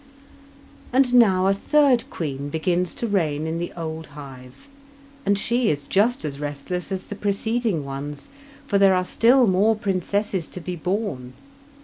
And now a third queen begins to reign in the old hive, and she is just as restless as the preceding ones, for there are still more princesses to be born.